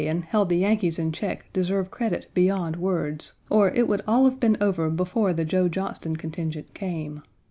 Page 91 held the Yankees in check deserve credit beyond words, or it would all have been over before the Joe Johnston contingent came.